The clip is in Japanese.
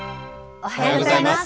おはようございます。